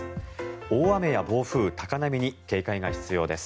大雨や暴風、高波に警戒が必要です。